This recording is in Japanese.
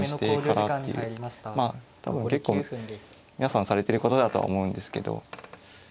多分結構皆さんされてることだとは思うんですけど。